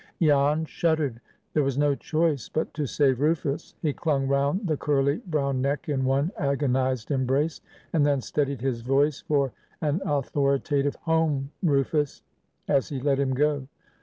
Jan shuddered. There was no choice but to save Rufus. He clung round the curly brown neck in one agonized embrace, and then steadied his voice for an authoritative, "Home, Rufus!" as he let him go.